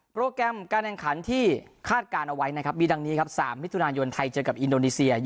แกรมการแข่งขันที่คาดการณ์เอาไว้นะครับมีดังนี้ครับ๓มิถุนายนไทยเจอกับอินโดนีเซีย